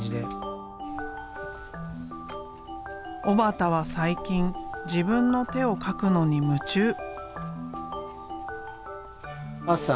小幡は最近自分の手を描くのに夢中。